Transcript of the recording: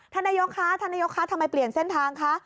ท่านนายกคะท่านนายกคะทำไมเปลี่ยนเส้นทางคะ